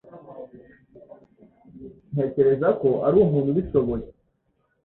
Ntekereza ko ari umuntu ubishoboye